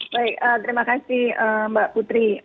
baik terima kasih mbak putri